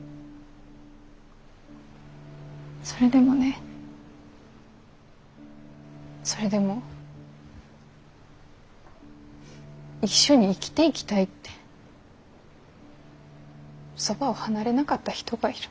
それでもねそれでも一緒に生きていきたいってそばを離れなかった人がいる。